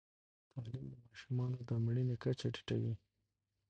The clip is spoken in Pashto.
تعلیم د ماشومانو د مړینې کچه ټیټوي.